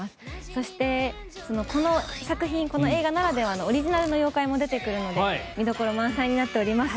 そしてこの作品、この映画ならではのオリジナルの妖怪も出てくるので見どころ満載になっております。